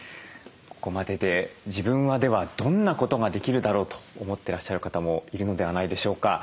ここまでで自分はではどんなことができるだろうと思ってらっしゃる方もいるのではないでしょうか。